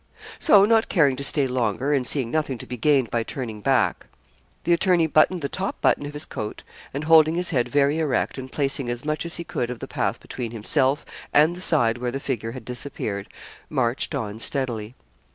So, not caring to stay longer, and seeing nothing to be gained by turning back, the attorney buttoned the top button of his coat, and holding his head very erect, and placing as much as he could of the path between himself and the side where the figure had disappeared, marched on steadily.